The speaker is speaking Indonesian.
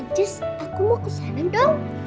jis aku mau kesana dong